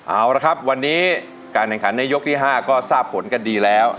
เอาละครับวันนี้การแข่งขันในยกที่๕ก็ทราบผลกันดีแล้ว